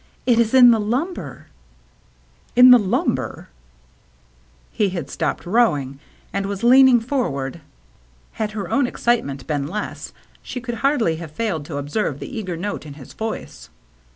It is in the lumber." "In the lumber!" He had stopped row THE RED SEAL LABEL i6i ing, and was leaning forward. Had her own excitement been less, she could hardly have failed to observe the eager note in his voice.